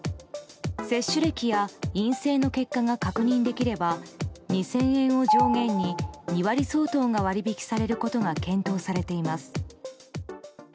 接種歴や陰性の結果が確認できれば２０００円を上限に２割相当が割引されることが検討されています。